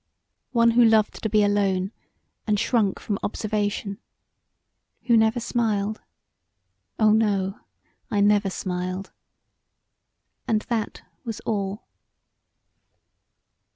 One who loved to be alone, and shrunk from observation; who never smiled; oh, no! I never smiled and that was all.